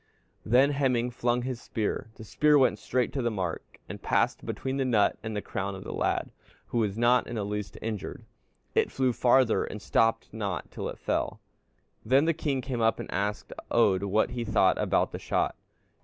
"Then Hemingr flung his spear. The spear went straight to the mark, and passed between the nut and the crown of the lad, who was not in the least injured. It flew farther, and stopped not till it fell. "Then the king came up and asked Oddr what he thought about the shot."